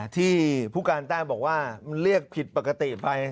ที่ผู้การแต้มบอกว่ามันเรียกผิดปกติไป